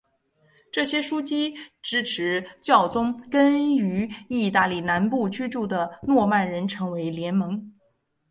这些枢机支持教宗跟于意大利南部居住的诺曼人成为联盟。